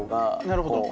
なるほど。